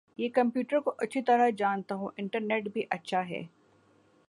میں کمپیوٹرکو اچھی طرح جانتا ہوں انٹرنیٹ بھی اچھا ہے